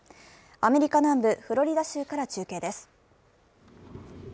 アメリカ南部フロリダ州から中継です。